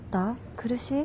苦しい？